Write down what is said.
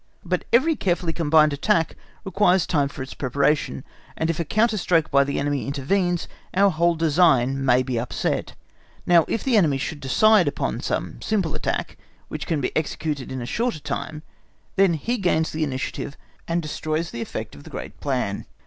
But every carefully combined attack requires time for its preparation, and if a counter stroke by the enemy intervenes, our whole design may be upset. Now if the enemy should decide upon some simple attack, which can be executed in a shorter time, then he gains the initiative, and destroys the effect of the great plan.